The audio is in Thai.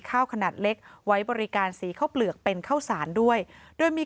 ข้าวขนาดเล็กไว้บริการสีข้าวเปลือกเป็นข้าวสารด้วยโดยมี